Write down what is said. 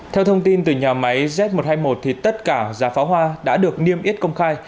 theo thông tin từ nhà máy z một trăm hai mươi một tất cả giá pháo hoa đã được niêm yết công khai